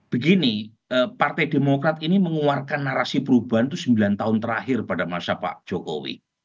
begini partai demokrat ini mengeluarkan narasi perubahan itu sembilan tahun terakhir pada masa pak jokowi